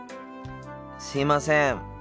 すいません。